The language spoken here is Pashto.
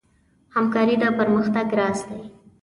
همکاري د پرمختګ راز دی.